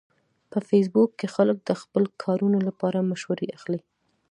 په فېسبوک کې خلک د خپلو کارونو لپاره مشورې اخلي